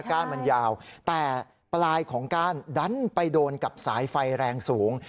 ก้านมันยาวแต่ปลายของก้านดันไปโดนกับสายไฟแรงสูง